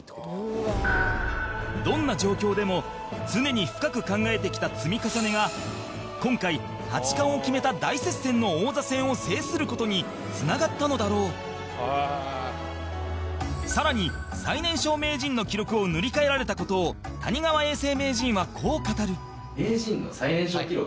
どんな状況でも常に深く考えてきた積み重ねが今回、八冠を決めた大接戦の王座戦を制する事につながったのだろう更に、最年少名人の記録を塗り替えられた事を谷川永世名人は、こう語るスタッフ：名人の最年少記録。